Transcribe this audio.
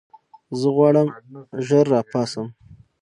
زه غواړم ژر راپاڅم.